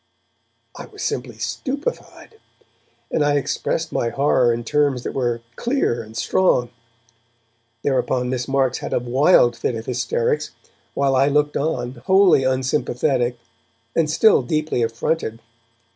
I was simply stupefied, and I expressed my horror in terms that were clear and strong. Thereupon Miss Marks had a wild fit of hysterics, while I looked on, wholly unsympathetic and still deeply affronted.